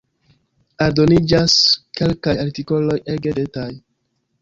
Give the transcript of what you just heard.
Aldoniĝas kelkaj artikoloj ege tedaj.